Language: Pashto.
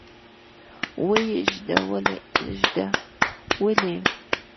ويې ژدويله.